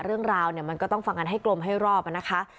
เรื่องราวเนี่ยมันก็ต้องฟังกันให้กลมให้รอบนะคะ